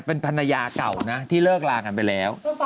เป็นภรรยาเก่านะที่เลิกลากันไปแล้ว